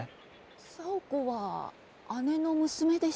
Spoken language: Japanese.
紗保子は姉の娘でしたが。